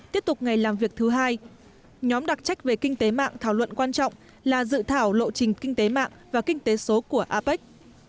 tiếp tục ngày làm việc thứ hai nhóm đặc trách về kinh tế mạng thảo luận quan trọng là dự thảo lộ trình kinh tế mạng và kinh tế số của apec